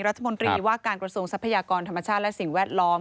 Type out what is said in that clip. รัฐมนตรีว่าการกระทรวงทรัพยากรธรรมชาติและสิ่งแวดล้อม